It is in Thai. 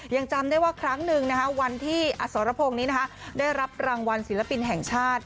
ยังจำได้ว่าครั้งหนึ่งวันที่อสรพงศ์นี้ได้รับรางวัลศิลปินแห่งชาติ